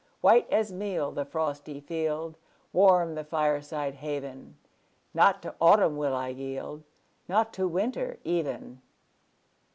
White as meal the frosty field Warm the fireside haven Not to autumn will I yield, Not to winter even!